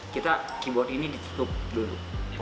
kita keyboard ini ditutup dulu